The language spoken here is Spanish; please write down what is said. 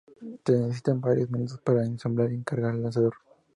Se necesitan varios minutos para ensamblar y cargar el lanzador.